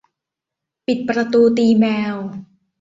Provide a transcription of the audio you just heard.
ปิดประตูตีแมว